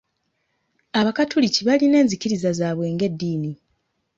Abakatoliki balina enzikiriza zaabwe ng'eddiini